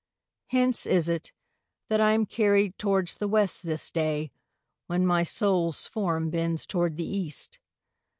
Hence is't, that I am carryed towards the WestThis day, when my Soules forme bends toward the East.